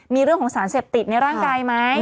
มีเรื่องของสารเสพติดในร่างกายไหม